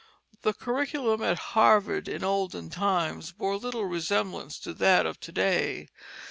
The curriculum at Harvard in olden times bore little resemblance to that of to day.